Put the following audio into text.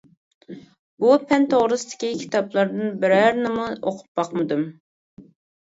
بۇ پەن توغرىسىدىكى كىتابلاردىن بىرەرىنىمۇ ئوقۇپ باقمىدىم.